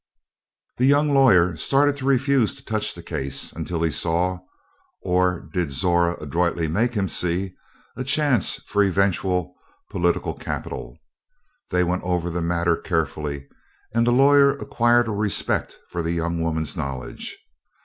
The young lawyer started to refuse to touch the case until he saw or did Zora adroitly make him see? a chance for eventual political capital. They went over the matter carefully, and the lawyer acquired a respect for the young woman's knowledge.